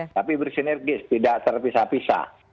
tapi bersinergis tidak terpisah pisah